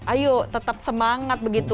ayo tetap semangat begitu